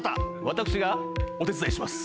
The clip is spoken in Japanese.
私がお手伝いします。